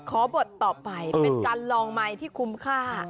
ขอบทต่อไปเป็นการลองไมค์ที่คุ้มค่า